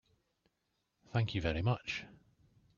Thank you very much.